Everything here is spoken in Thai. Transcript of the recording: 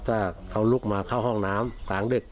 ถ้าเขาลุกมาเข้าห้องน้ำกลางดึก